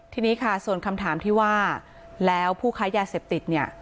ทีนี้ค่ะส่วนคำถามที่ว่าแล้วผู้ค้ายาเสพติดเนี่ย